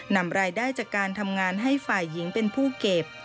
นำรายได้จากการทำงานให้ฝ่ายหญิงเป็นผู้เก็บ